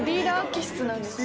気質なんですか？